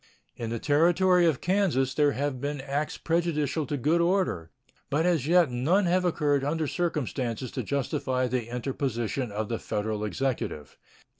In the Territory of Kansas there have been acts prejudicial to good order, but as yet none have occurred under circumstances to justify the interposition of the Federal Executive.